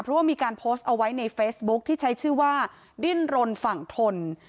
เพราะว่ามีการโพสต์เอาไว้ในเฟซบุ๊คที่ใช้ชื่อว่าดิ้นรนฝั่งทน